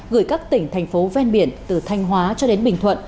gửi các tỉnh thành phố ven biển từ thanh hóa cho đến bình thuận